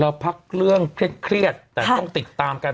พักเรื่องเครียดแต่ต้องติดตามกัน